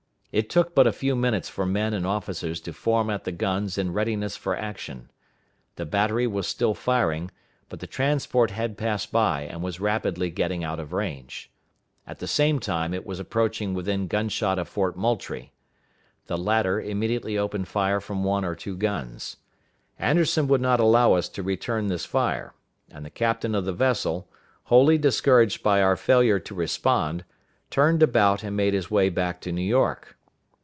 It took but a few minutes for men and officers to form at the guns in readiness for action. The battery was still firing, but the transport had passed by, and was rapidly getting out of range. At the same time it was approaching within gun shot of Fort Moultrie. The latter immediately opened fire from one or two guns. Anderson would not allow us to return this fire; and the captain of the vessel, wholly discouraged by our failure to respond, turned about, and made his way back to New York.